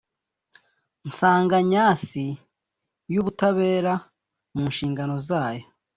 Nsanganyasi y Ubutabera Mu nshingano zayo